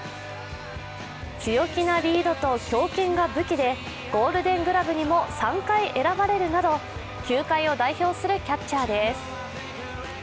強気なリードと胸襟が武器でゴールデングラブにも３回選ばれるなど、球界を代表するキャッチャーです。